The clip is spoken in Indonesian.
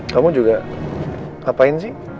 kamu juga ngapain sih